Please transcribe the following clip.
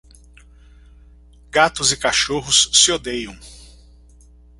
Gatos e cachorros se odeiam.